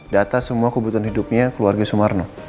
data semua kebutuhan hidupnya keluarga sumarno